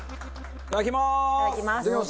いただきます。